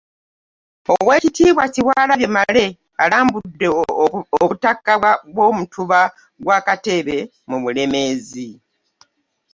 Oweekitiibwa Kyewalabye Male alambudde obutaka bw'omutuba gwa Katebe mu Bulemeezi